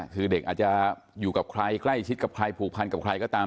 คือเด็กอาจจะอยู่กับใครใกล้ชิดกับใครผูกพันกับใครก็ตาม